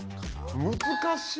難しい。